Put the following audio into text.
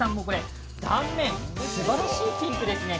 断面、すばらしいピンクですね。